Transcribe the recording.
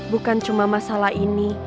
bukan cuma masalah ini